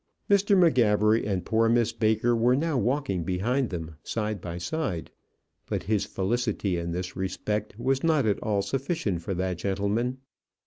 Mr. M'Gabbery and poor Miss Baker were now walking behind them, side by side. But his felicity in this respect was not at all sufficient for that gentleman.